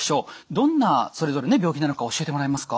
どんなそれぞれ病気なのか教えてもらえますか？